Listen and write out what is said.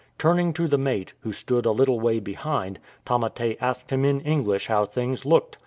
Turning to the mate, who stood a little way behind, Tamate asked him in English how things looked.